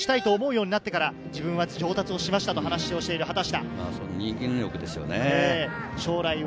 恩返しをしたいと思うようになってから自分は上達しましたと話をしている畑下。